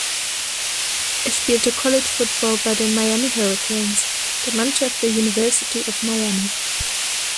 Er spielte College Football bei den Miami Hurricanes, der Mannschaft der University of Miami.